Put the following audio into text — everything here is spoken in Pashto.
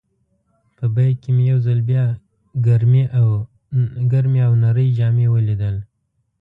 په بیک کې مې یو ځل بیا ګرمې او نرۍ جامې ولیدل.